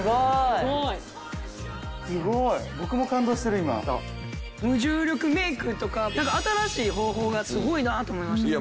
すごい！無重力メイクとか新しい方法がすごいなと思いました。